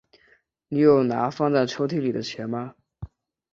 你有拿放在抽屉里的钱吗？